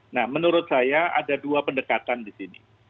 nah menurut saya ada dua pendekatan di sini